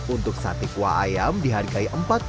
untuk sate kuahnya tidak membuat kantong anda tertusuk kok